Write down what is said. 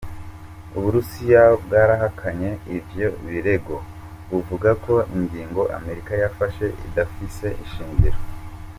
Uburusiya bwarahakanye ivyo birego buvuga ko ingingo Amerika yafashe idafise ishingiro.